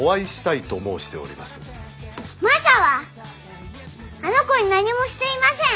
マサはあの子に何もしていません！